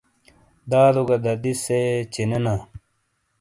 دادو گہ ددی سے چینے نا